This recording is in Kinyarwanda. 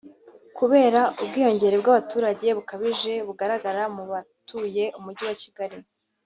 Kubera ubwiyongere bw’abaturage bukabije bugaragara mu batuye Umujyi wa Kigali